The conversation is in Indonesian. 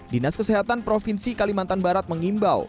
dinas kesehatan provinsi kalimantan barat mengimbau